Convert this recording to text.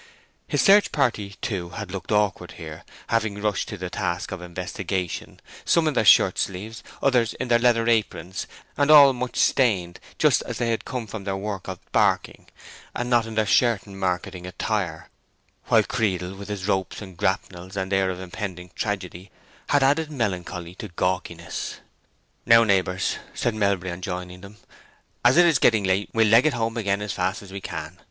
His search party, too, had looked awkward there, having rushed to the task of investigation—some in their shirt sleeves, others in their leather aprons, and all much stained—just as they had come from their work of barking, and not in their Sherton marketing attire; while Creedle, with his ropes and grapnels and air of impending tragedy, had added melancholy to gawkiness. "Now, neighbors," said Melbury, on joining them, "as it is getting late, we'll leg it home again as fast as we can.